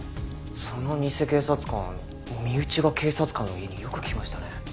その偽警察官身内が警察官の家によく来ましたね。